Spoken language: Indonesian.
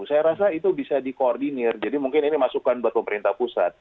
saya rasa itu bisa dikoordinir jadi mungkin ini masukan buat pemerintah pusat